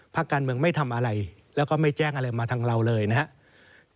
พักการเมืองไม่ทำอะไรแล้วก็ไม่แจ้งอะไรมาทางเราเลยนะครับ